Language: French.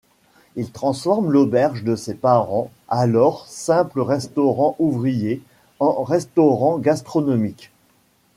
Il transforme l'auberge de ses parents, alors simple restaurant ouvrier, en restaurant gastronomique.